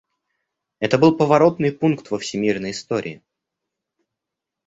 Это был поворотный пункт во всемирной истории.